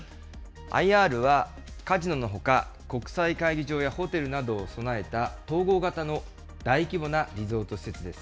ＩＲは、カジノのほか、国際会議場やホテルなどを備えた、統合型の大規模なリゾート施設です。